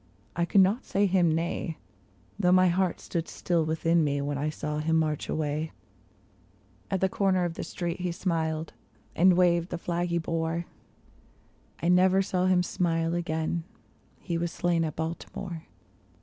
I could not say him nay, Though my heart stood still within me when I saw him march away ; At the corner of the street he smiled, and waved the flag he bore ; I never saw him smile again — he was slain at Baltimore.